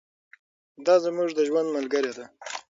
دا زموږ د ژوند ملګرې ده.